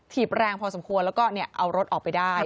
ทีบแรงพอสมควรแล้วก็เอารถออกไปได้